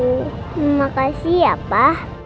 terima kasih ya pa